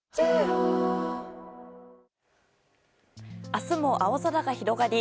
明日も青空が広がり